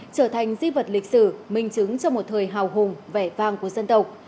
trở thành di vật lịch sử minh chứng cho một thời hào hùng vẻ vang của dân tộc